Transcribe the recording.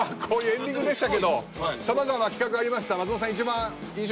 というエンディングでしたけどさまざまな記録がありました。